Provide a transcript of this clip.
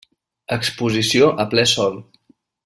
Exposició a ple sol.